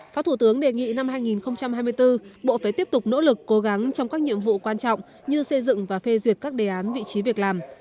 phó thủ tướng đề nghị năm hai nghìn hai mươi bốn bộ phải tiếp tục nỗ lực cố gắng trong các nhiệm vụ quan trọng như xây dựng và phê duyệt các đề án vị trí việc làm